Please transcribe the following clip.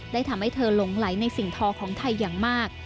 ทำให้เธอหลงไหลในสิ่งทอของไทยอย่างมาก